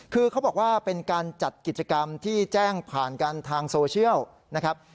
คือเขาบอกว่าเป็นการจัดกิจกรรมที่แจ้งผ่านกันทางโซเชียลนะครับ